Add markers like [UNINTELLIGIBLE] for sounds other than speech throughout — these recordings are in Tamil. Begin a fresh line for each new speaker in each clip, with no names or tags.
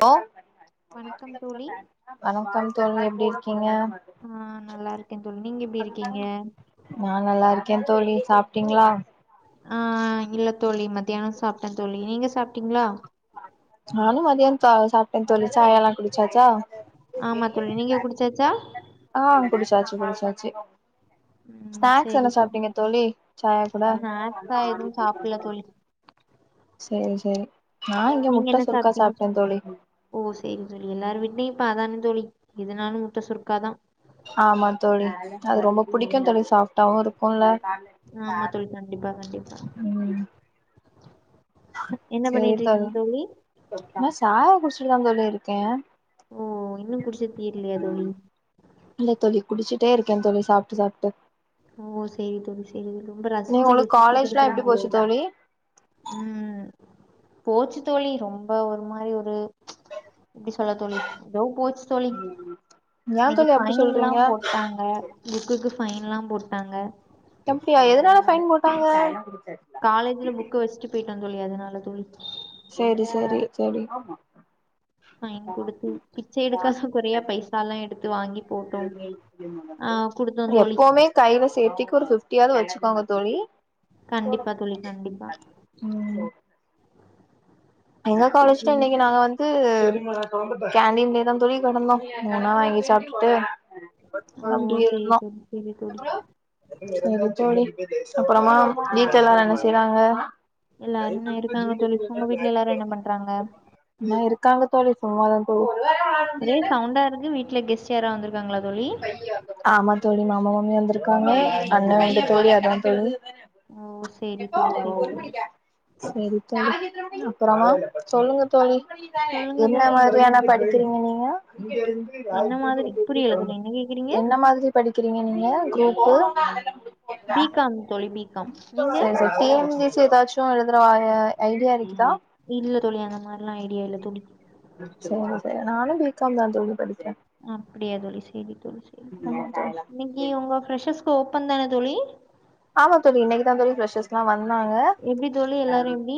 லோ
வணக்கம் தோழி
வணக்கம் தோழி எப்டி இருக்கீங்க
ஆ நல்லா இருக்கே தோழி நீங்க எப்டி இருக்கீங்க
நா நல்லா இருக்கே தோழி சாப்ட்டீங்ளா
ஆ இல்ல தோழி மத்தியானோ சாப்ட்டே தோழி நீங்க சாப்ட்டீங்ளா
நானு மதியான் சா சாப்டந் தோழி சாயாலா குடிச்சாச்சா
ஆமா தோழி நீங்க குடிச்சாச்சா
ஆ குடிச்சாச்சு குடிச்சாச்சு
ம்
ஸ்நாக்ஸ்
சேரி
என்ன சாப்ட்டிங்க தோழி சாயா கூட
ஸ்நாக்ஸா எதுவு சாப்டல தோழி
செரி செரி நா இங்க
நீங்க
முட்ட
என்ன
சுருக்கா
சாப்ட்டீங்க
சாப்டந்தோழி
ஓ செரி தோழி எல்லாரு வீட்லியு இப்ப அதான தோழி எதுனாலும் முட்ட சுருக்காதா
ஆமா தோழி அது ரொம்ப புடிக்கு தோழி சாஃப்டாவு இருக்குக்ல
ஆமா தோழி கண்டிப்பா கண்டிப்பா
ம்
என்ன
செரி
பண்ணிட்டு
தோழி
இருக்கீங்க
நா சாயா குடிஷிட்டுதா தோழி இருக்கே
ஓ இன்னு குடிச்சு தீர்லியா தோழி
இல்ல தோழி குடிச்சிட்டே இருக்கேந் தோழி சாப்ட்டு சாப்ட்டு
ஓ செரி தோழி செரி ரொம்ப
நீ
ரசிச்சு
உங்களுக்கு
ருசிச்சு
காலேஜ்லா எப்டி
குடிக்கறீங்களோ
போச்சு தோழி
ம் போச்சு தோழி ரொம்ப ஒரு மாரி ஒரு எப்டி சொல்ல தோழி எதோ போச்சு தோழி
ஏ
இன்னிக்கி
தோழி அப்டி
ஃபைன்லா
சொல்றீங்க
போட்டாங்க புக்குக்கு ஃபைன்லா போட்டாங்க
அப்டியா எதனால ஃபைன் போட்டாங்க
காலேஜில புக்கு வெஷ்ட்டு போய்ட்டேந் தோழி அதனால தோழி
செரி செரி தோழி
ஃபைன் குடுத்து பிச்ச எடுக்காத குறையா பைசால்லா எடுத்து வாங்கி போட்டோ ஆ குடுத்தோ தோழி
எப்பவுமே கைல சேஃப்டிக்கு ஒரு ஃபிஃப்டியாது வெச்சுக்கோங்க தோழி
கண்டிப்பா தோழி கண்டிப்பா
ம் எங்க காலேஜ்ல
ம்.
இன்னிக்கு நாங்க வந் து கேண்டீன்லேதா தோழி கெடந்தோ எதுனா வாங்கி சாப்ட்டு
ஓ
அப்டி
சேரி
இருந்தோ
தோழி சேரி தோழி
செரி தோழி அப்பறமா வீட்ல எல்லாரு என்ன செய்றாங்க
எல்லாருன்ன இருக்காங்க தோழி உங்க வீட்ல எல்லாரு என்ன பண்றாங்க
இன்ன இருக்காங்க தோழி சும்மாதா
ஒரே சவுண்டா இருக்கு வீட்ல கெஸ்ட் யாராவ் வந்திருக்காங்களா தோழி
ஆமா தோழி மாமா மாமி வந்திருக்காங்க அண்ணே வந்து தோழி அதா தோழி
ஓ சேரி
ஓ
தோழி சேரி தோழி
செரி தோழி அப்பறமா சொல்லுங்க தோழி
சொல்லுங்க
என்ன
தோழி
மாரியானா படிக்கிறீங்க நீங்க
என்ன மாதிரி புரியல தோழி என்ன கேக்குறீங்க
என்ன மாதிரி படிக்கிறீங்க நீங்க க்ரூப்பு
பீ காம் தோழி பீ காம் நீங்க
சரி சரி டி என் பி சி எதாச்சு எழுதுற ஐ ஐடியா இருக்குதா
இல்ல தோழி அந்த மார்லா ஐடியா இல்ல தோழி
செரி செர் நானு பி காம் தா தோழி படிக்கிற
அப்டியா தோழி செரி தோழி செரி இன்னெக்கி உங்க ப்ரஷர்ஸ்க்கு ஓப்பன் தான தோழி
ஆமா தோழி இன்னக்கி தா தோழி ஃப்ரெஷர்ஸ்க்லா வந்தாங்க
மி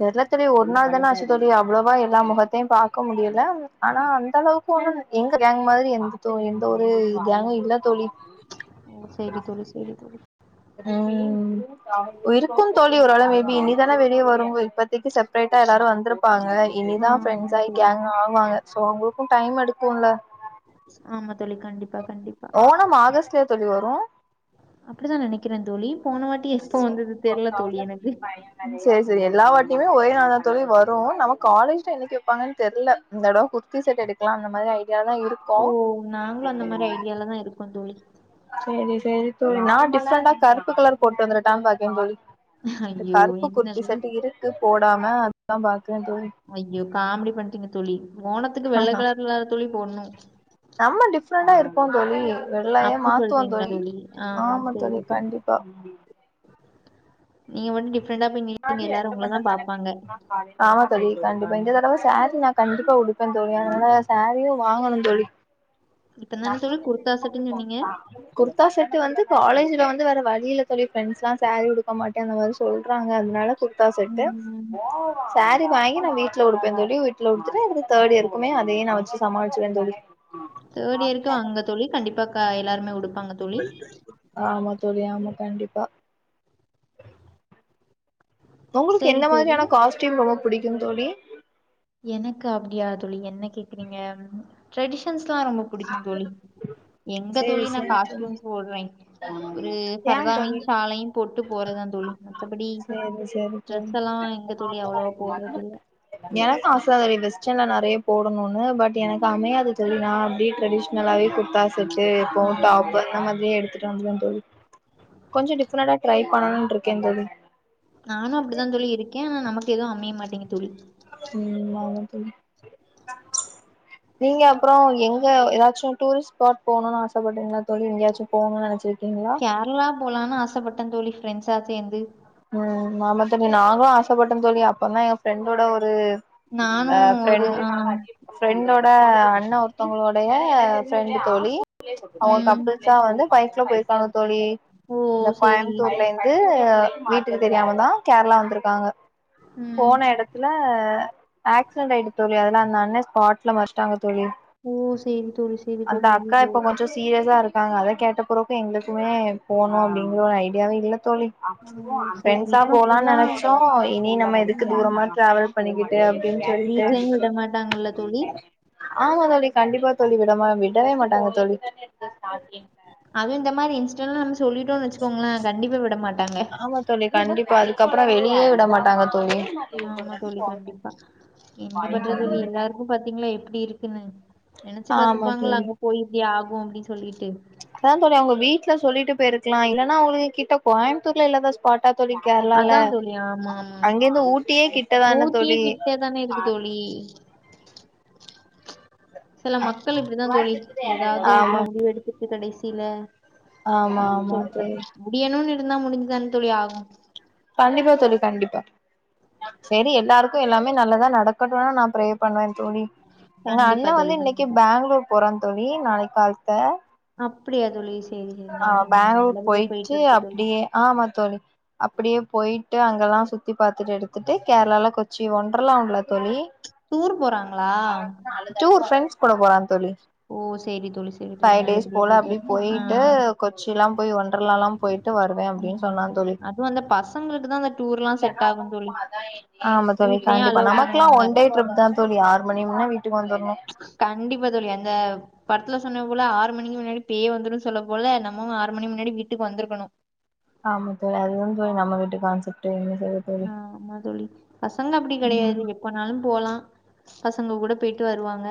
தெர்ல தோழி ஒரு நாள் தான ஆச்சு தோழி அவ்ளோவா எல்லா முகத்தையும் பாக்க முடியல ஆனா அந்த அளவு எங்க கேங்க் மாதிரி எந்த தோ எந்த ஒரு கேங்கு இல்ல தோழி
ஓ செரி தோழி செரி தோழி
ம் இருக்குந்தோழி ஒரு அளவு மேபி இனிதான வெளிய வரு இப்பத்திக்கி செப்ரேட்டா எல்லாரு வந்தற ப்பாங்க இனிதா
ஆமா
ஃப்ரெண்ட்ஸ் ஆயி
தோழி
கேங்க் ஆவாங்க சோ அவ்ங்களுக்கு டைம் எடுக்குல
ஆமா தோழி கண்டிப்
ஓனம் ஆகஸ்ட்லயா தோழி வரு
அப்பிடிதா நனக்கிற தோழி போன வாட்டி எப்ப வந்தது தெர்ல தோழி எனக்கு
செரி செரி எல்லா வாட்டியுமே ஒரே நாளா தா தோழி வரு நம்ம காலேஜ்ல என்னெக்கி வெப்பாங்கன்னு தெர்ல இந்தடவ குர்த்தி செட் எடுக்கலா அந்த மாரி ஐடியா தா இருக்கோ
கொந் தோழி
செரி செரி தோழி நா டிஃப்ரண்டா கருப்பு கலர் போட்டு வந்தரட்டான் பாக்கறேந்தோழி இந்த
ஐயோ
கருப்பு
என்ன
குர்த்தி
தோழி
செட்டு இருக்கு போடாம அதா பாக்கெறந்தோழி
ஐயோ காமெடி பண்றீங்க தோழி ஓனத்துக்கு வெள்ள கலரு இல்ல தோழி போட்னு
நம்ம டிஃப்ரண்ட்டா இருப்போ தோழி வெள்ளய
அப்டி
மாத்துவோ
சொல்றீங்களா
தோழி
ஆ
ஆமா
சேரி
தோழி கண்டிப்பா
நீங்க மட்டு டிஃப்ரண்ட்டா போய் நில்பீங்க எல்லாரு உங்களதா பாப்பாங்க
ஆமா தோழி கண்டிப்பா இந்த தடவ சேரீ நா கண்டிப்பா உடுப்பே தோழி அதனால சேரீயு வாங்கணு தோழி
இப்ப தான தோழி குர்த்தாசெட்டுனு சொன்னீங்க
குர்த்தா செட்டு வந்து காலேஜ்ல வந்து வேற வழியில்ல தோழி ஃப்ரெண்ஸ்லா சேரீ உடுக்க மாட்டே அந்த மாரி சொல்றா த்தாங்க அதனால குர்த்தா செட்டு சேரீ வாங்கி நா வீ ட்ல உடுப்பே தோழி வீட்ல குடுத்துட்டு தேர்ட் இயர்க்குமே அதே நா வெச்சு சாமளிச்சுவே தோழி
தேர்ட் இயர்க்கு அங்க தோழி கண்டிப்பா க எல்லாருமே உடு
ஆமா தோழி ஆமா கண்டிப்பா உங்களுக்கு
சரி
என்ன
தோழி
மாதிரியான காஸ்ட்யூம் ரொம்ப புடிக்கு தோழி
எனக்கு அப்டியா தோழிங்க என்ன கேக்குறீங்க ட்ரெடிஷன்ஸ்ல்லா ரொம்ப புடிக்கு தோழி எங்க தோழி
சேரி
நா
சேரி தோழி
காஸ்ட்யூம்ஸ் போட்ற்றே ஒரு
ஏ
ஃபர்தாவையு
தோழி
சால்லயு போட்டு போறத்தா தோழி கப்படி
சேரி சேரி தோழி
ட்ரெஸ்ல்லா எங்க தோழி அவ்ளோவா போட்றது
எனக்கு ஆச இந்த வெஸ்டன்ல நறையா போடணுன்னு பட் எனக்கு அமையாது தோழி நா அப்டியே ட்ரெடிஸ் னாலாவே இந்த குர்த்தா செட்டு போட்
ஆஹ்
டாப்பு அந்த மாத்ரியே ட்றாங்க தோழி கொஞ்சொ டிஃப்ரன்டா ட்ரை பண்ணலான் இருக்கே தோழி
நானு அப்டிதா தா தோழி இருக்கே ஆனா நமக்கு எது அமய மாட்டிங் தோழி
ம் ஆமா தோழி நீங்க அப்பறோ எங்க எதாச்சு ட்டூரிஸ்ட் ஸ்பாட் போணுனு ஆசப்பட்டிங்களா தோழி எங்க்யாச்சு போணு நெனச்சிர்க்கீங்களா
கார்ளா போலான்னு ஆசப்பட்டந்தோழி ஃப்ரெண்ட்ஸா சேந்து
ம் ஆமா தோழி நாங்களு ஆசப்பட்டோ தோழி அப்பன்தா எங்க ஃப்ரெண்டோட ஒரு ஆ
நானும் ஒரு
ஃப்ரெண்ட்
ஆ
ஃப்ரெண்டோட அண்ணா ஒருத்தோங்களுடைய ஃப்ரெண்டு தோழி அவுங்க
ம்.
கப்புள்ஸா வந்து பைக்ல போயிருக்காங்க தோழி
ஓ!
இந்த
சரி.
கோயம்புத்தூர்ல ந்து வீட்டுக்கு தெரியாமதா கேர்ளா வந்திருக்காங்க
ம்.
போன எட த்துல ஆக்சிடெண்ட் ஆய்ட்டு தோழி அதுல அந்த அண்ணே ஸ்பாட்ல மஷ்ட்டாங்க தோழி
ஓ! சரி தோழி, சரி
அந்த
தோழி.
அக்கா
ஐயையோ!
இப்ப கொஞ்சோ சீரியஸாரு க்காங்க அத கேட்ட பெறகு எங்ளுக்மே போனு அப்டிங்கற ஒரு ஐடியாவே இல்ல தோழி
ஓ! சரி தோழி.
ஃப்ரெண்ஸா
இப்பலாம்
போலான்
ஃபுல்லா
நெனச்சோ இனி நம்ம எதுக்கு
ம்.
தூரமா டிராவல் பண்ணிக்கி ட்டு அப்டின் சொல்ட்டு
வீட்லயும் விட மாட்டாங்கல்ல தோழி?
ஆமா தோழி கண்டிப்பா தோழி விடமா விடவே மாட்டாங்க தோழி
அது இந்த மாரி இன்ஸிடென்லா நம்ம சொல்லிட்டோன் வச்சுகோங்ளே கண்டிப்பா விட மாட்டாங்க
ஆமா தோழி கண்டிப்பா அதுக்கப்றோ‌ வெளியே விட மாட்டாங்க தோழி
ஆமா தோழி கண்டிப்பா என்ன பண்ற தோழி எல்லாரு பாத்தீங்களா எப்டி இருக்குன்னு நெனச்சு
ஆமா
பாத்துருப்பாங்களா
தோழி
அங்கபோய் இப்டி ஆகு அப்டி சொல்லிட்டு
அதா தோழி அவுங்க வீட்ல சொல்லிட்டு போய்ருக்லா இல்லனா அவுங்களுகிட்ட கோயம்புத்தூர்ல இல்லாத ஸ் பாட்டா தோழி கேர்ளால
அதான் தோழி. ஆமா, ஆமா.
அங்கெந்து ஊட்டியே கிட்டதானே தோழி
[UNINTELLIGIBLE] எதுக்கு தோழி சில மக்கள் இப்டிதா தோழி எதாவ்து இது முடிவு எடுத்துட்டு கடைசில
ஆமா ஆமா தோழி
முடியணுன் இருந்தா முடிஞ்சு தானே தோழி ஆகு
கண்டிப்பா தோழி கண்டிப்பா செரி எல்லாருக்கு எல்லாமே நல்லதா நடக்கட்டுனு நா ப்ரே பண்ணுவே தோழி எங்க
கண்டிப்பா
அண்ணே
தோழி
வந்து இன்னக்கி
கண்டிப்பா
பெங்களூர் போறா தோழி நாளைக் கால்த்த
அப்பிடியா தோழி சேரி சேரி நல்
பேங்களூர்
நல்லபடியா
போயிட்டு
போய்ட்டு வர்ட்டு தோழி
ஆமா தோழி அப்பிடியே போய்ட்டு அங்கல்லா சுத்தி பாத்துட்டு எடுத்துட்டு கேர்ளால கொச்சி ஒன்டர்லாம்ல தோழி
டூர் போறாங்களா
டூர் ஃபிரெண்ட்ஸ் கூட போறா தோழி
ஓ சேரி தோழி சேரி தோழி நல்லபடியா போய்ட்டு வரட்டு ஆ
ட்டு கொச்சில்லா போய் ஒன்டர்லாலா போய்ட்டு வருவே அப்டின்
ம்
சொன்னா தோழி
அதுவு அந்த பசங்களுக்கு தா அந்த டூர்லா செட் ஆகும் தோழி
ஆமா தோழி
வீட்லயு
கண்டிப்பா
அலோ
நமக்லா
பண்ணுவாங்க
ஒன் டே ட்ரிப் தா தோழி ஆறு மணி முன்ன வீ ட்டுக்கு வந்துர்னு
கண்டிப்பா தோழி அங்க படத்ல சொன்னது போல ஆறு மணிக்கு முன்னாடி பேய் வந்துருன் சொல்ல போல நம்ம ஆறு மணி முன்னாடி வீட்டுக்கு வந்துருக்கனு
ஆமா தோழி அது வந்து நம்ம வீட்டு கான்செப்ட்டு என்ன செய்ய தோழி
ஆ ஆமா தோழி பசங்க அப்டி கெடயாது எப் பன்னாலு போலா பசங்க கூட போய்ட்டு வருவாங்க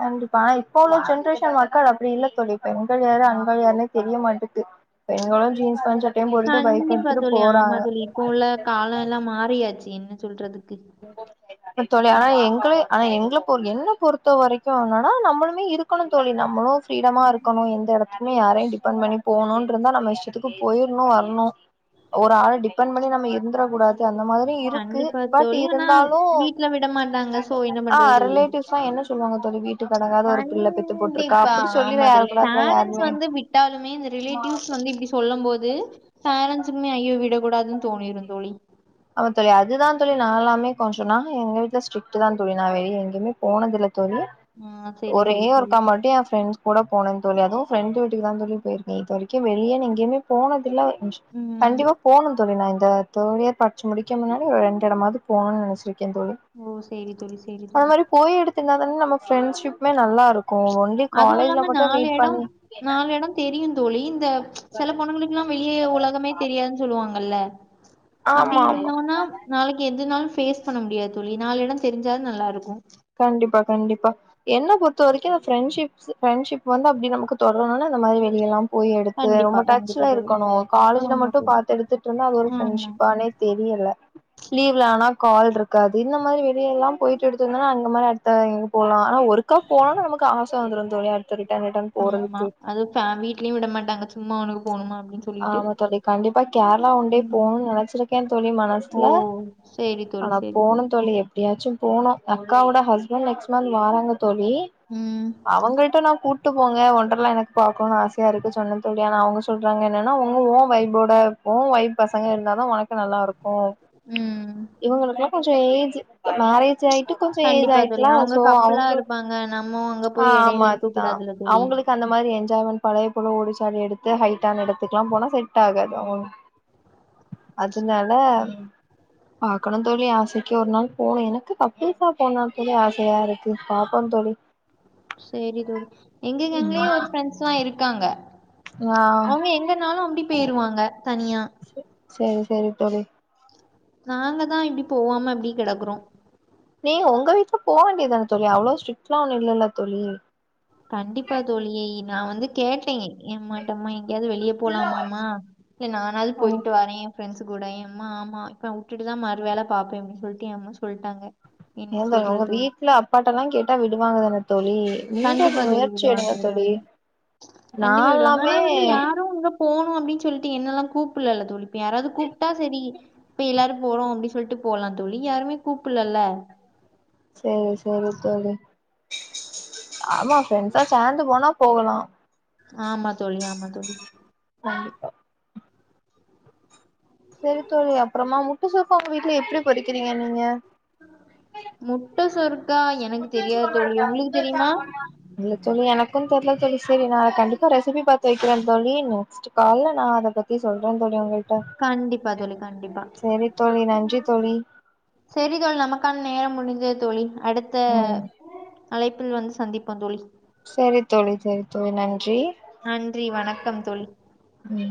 கண்டிப்பா இப்ப உள்ள ஜென்ரேஷன் மக்கள் அப்டி இல்ல தோழி பெண்கள் யாரு ஆண்கள் யாருன்னே தெரிய மாட்டுது பெண்களு ஜீன்ஸ் பேண்ட் சட்டையு போட்டுட்டு பைக் எடுத்துட்டு போறாங்க
இப்ப உள்ள காலோ எல்லா மாறியாச்சு என்ன சொல்றதுக்கு
தோழி ஆனா எங்ளே ஆனா எங்ள பொ என்ன பொறுத்த வரைக்கு என்னனா நம்மளுமே இரு க்கனு தோழி நம்மளு ஃபிரீடமா இருக்கனு எந்த எடத்துக்குமே யாரையு டிபெண்ட் பண்ணி போணுன்ட்ருந்தா நம்ம இஷ்டத்துக் கு போயிர்ணு வர்ணு ஒரு ஆள டிபெண்ட் பண்ணி நம்ம இருந்துற கூடாது அந்த மாரி இருக்கு
கண்டிப்பா
பட்
தோழி ஆனா
இருந்தாலு
வீட்ல விட மாட்டாங்க சோ என்ன
ஆ
பண்றது தோழி
ரிலேட்டிவ்ஸ் என்ன சொல்வாங்க தோழி வீ
கண்டிப்பா ஆமா
சொல்லிலா
தோழி
யாரக்கூடாதுல
பேரண்ட்ஸ்
யாருமே
வந்து விட்டாலுமே இந்த ரிலேட்டிவ்ஸ் வந்து இப்டி சொல்லம்போது பேரண்ஸுக்குமே ஐயோ விடக்கூடாதுன் தோனிரு தோழி
ஆமா தோழி அதுதா தோழி நாலாமே கொஞ்சுன்னா எங்க வீட்ல ஸ்ட்ரிக்ட்டு தா தோழி நா வெளிய எங்கயுமே போனதுல்ல தோழி
ஆ சேரி
ஒரே
தோழி சேரி
ஒருக்கா மாட்டியு ஏ ஃப்ரெண்ஸ் கூட போன்ங் தோழி அதுவு ஃப்ரெண்ட் வீட்டுக்கு தா தோழி போயிருக்க இது வரைக்கு வெளியன் எங்கயுமே போனதில்ல
ம்
கண்டிப்பா போணு தோழி நா இந்த தோழியற்பட் ச்சு முடிக்கணுனால் ரெண்டு எடமாவது போணுன் நெனச்சிருக்கே தோழி
ஓ சேரி தோழி சேரி
அந்த
தோழி
மாரி போய் எடுத் துர்தான நம்ம ஃப்ரெண்ட்ஷிப்மே நல்லா இருக்கு ஒன்லி
அதுவு
காலேஜ்ல மட்டு மீட் பண்ணி
தெரியுந் தோழி இந்த செல பொண்ணுங்களுக்குலா வெளியே உலகமே தெரியாதுன் சொல்லுவாங்கல்ல அப்டி
ஆமா ஆமா
இருந்தோன்னா நாளைக்கு எதுனாலு பேஃஸ் பண்ண முடியாது தோழி நாலு எடோ தெரிஞ்சா நல்லா இருக்கு
கண்டிப்பா கண்டிப்பா என்ன பொறுத்த வரைக்கு நா ஃப்ரண்ஷிப்ஸ் ஃப்ரண்ஷிப் வந்து அப்டி நமக்கு தொடரணுனால அந்த மாரி வெளியலாம் போய் எடுத்து
கண்டிப்பா
ரொம்ப
கண்டிப்பா
டச்ல
தோழி
இருக்கணு காலேஜ்ல
ஆமா
மட்டு
தோழி
பாத் எடுத்துட்ருந்தா அது ஒரு
ஆமா
ஃப்ரெண்ட்ஷிப்பானே தெரியல லீவ்ல ஆனா கால்ருக்காது இந்த மாரி வெளிய எல்லா போயிட்டு எடுத்தந்தனா இந்தமாரி அடுத்த எங்க போலா அனா ஒருக்கா போனா நமக்கு ஆச வந்துரு தோழி அடுத் [UNINTELLIGIBLE]
ஆமா அதுவு ஃபே வீட்லயு விட மாட்டாங்க சும்மா உனுக்கு போனுமா அப்டின்னு சொல்லிட்
ஆமா தோழி கண்டிப்பா கேரளா ஒண்டே போணுன் நெனச்சிருக்கே தோழி
ஓ
மனசுல
சேரி தோழி
அனா
சேரி
போணு தோழி எப் டியாச்சு போனு அக்காவோட ஹஸ்பண்ட் நெக்ஸ்ட் மந்த் வாராங்க தோழி
ம்
அவங்கிட்ட நா கூட்டு போங்க ஒன்டர்லா எனக்கு பாக்கணுன் ஆசையா இருக்கு சொன்ன தோழி அனா அவுங்க சொல்றாங்க என்னன்னா உங்க ஓ வைபோட ஓ வைப் பசங்க இருந்தா தா உனக் க நல்லாயிருக்கு
ம்
இவுங்களுக்குலா கொஞ்சோ ஏஜ் மேரேஜ் ஆயிட்டு கொஞ்சோ ஏஜ்
கண்டிப்பா தோழி.
ஆயிருகளா
அவங்க
சோ
கப்பலா
அவுங்களுக்
இருப்பாங்க. நம்ம அங்க
ஆ
போய்
ஆமா
இடையில இருக்கக்
அதுதா
கூடாதுல்ல தோழி.
அவுங்களுக் அந்த மாரி ஏன் [UNINTELLIGIBLE] பழைய போல ஓடிச்சாடி எடுத்து ஹைட்டான எடுத்துக்கலா போனா செட் ஆகாது அவுங் அதுனால பாக்கணு தோழி ஆசைக்கு ஒரு நாள் போணு எனக்கு தப் பீஸா போணுன்ட்டு தா ஆசையா இருக்கு பாப்போம் தோழி
சேரி தோழி எங்க
ம்
கேங்லயே ஒரு ஃப்ரெண்ட்ஸ்லா இருக்காங்க
ஆ
அவுங்க எங்கனாலு அப்டி போயிருவாங்க தனியா
சேரி சேரி தோழி
நாங்கதா இப்டி போவாம இப்டி கெடக்குறோ
நீங்க உங்க வீட்ல போ வேண்டியதான தோழி அவ்ளோ ஸ்ட்ரிட்லா ஒன்னு இல்லல்ல தோழி
கண்டிப்பா தோழி நா வந்து கேட்டே எமாட்டமா எங்கயாது வெளிய போலாமாமா செர் நானாவது
ஆ
போயிட்டு வரே ஃப்ரெண்ட்ஸ்ஸு கூட யம்மா ஆமா இப்ப உட்டுட்டு தா மறு வேல பாப்பே அப்டின் சொல்ட்டு ஏ அம்மா சொல்ட்டாங்க என்ன
ஏதங்கோ
சொல்றது
உங்க
தோழி?
வீட்ல அப்பாட்டல்லா கேட்டா விடுவாங்க தான தோழி நீங்க
கண்டிப்பா தோழி
முயற்சி
விடுவாங்க
எடுங்க தோழி
விடுவாங்க கண்டிப்பா விடுவாங்க
நால்லாமே
அனா வந்து யாரு உங்க போனு அப்டின் சொல்ட்டு என்னல்லா கூப்பல்லல தோழி இப்ப யாராவது கூப்ட்டா செரி இப்ப எல்லாரு போறோ அப்டி சொல்ட்டு போலா தோழி யாருமே கூப்பல்லல
சேரி சேரி தோழி ஆமா ஃப்ரெண்ட்ஸா சேந்து போனா போகலா
ஆமா தோழி ஆமா தோழி
கண்டிப்பா செரித்தோழி அப்பறமா முட்டசொரக்கா உங்க வீட்ல எப்டி படிக்கிறீங்க நீங்க
முட்ட சொரக்கா எனக்கு தெரியாது தோழி உங்களுக்கு தெரியுமா
இல்ல தோழி எனக்கு தெர்ல தோழி செரி நா கண்டிப்பா ரெசிபி பாத்து வெக்கிறே தோழி நெக் ஸ்ட் கால நா அத பத்தி சொல்ற தோழி உங்க டா
கண்டிப்பா தோழி,
சேரி தோழி நன்றி தோழி
சேரி தோழி நமக்கான நேரம் முடிந்தது தோழி அடுத்த
ம்
அழைப்பில் வந்து சந்திப்போ தோழி
சேரி தோழி சேரி தோழி நன்றி
நன்றி வணக்கம் தோழி
ம்